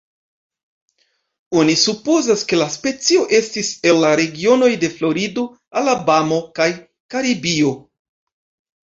Oni supozas, ke la specio estis el la regionoj de Florido, Alabamo kaj Karibio.